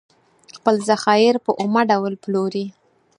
خپل ذخایر په اومه ډول پلوري.